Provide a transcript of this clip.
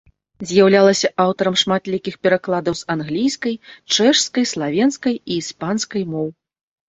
З'яўлялася аўтарам шматлікіх перакладаў з англійскай, чэшскай, славенскай і іспанскай моў.